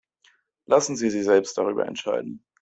Lassen Sie sie selbst darüber entscheiden.